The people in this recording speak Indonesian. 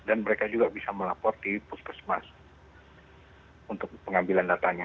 dan mereka juga bisa melapor di puskesmas untuk pengambilan datanya